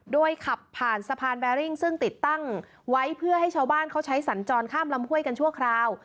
โดยขับผ่านสะพานแบริ่งซึ่งติดตั้งไว้เพื่อให้ชาวบ้านเขาใช้สัญจรข้ามลำห้วยกันชั่วคราว